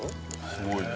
すごいね。